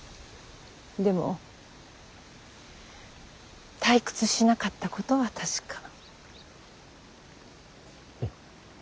でも退屈しなかったことは確か。